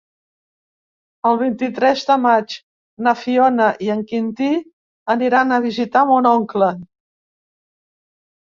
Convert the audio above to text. El vint-i-tres de maig na Fiona i en Quintí aniran a visitar mon oncle.